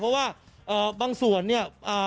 เพราะว่าบางส่วนเนี่ย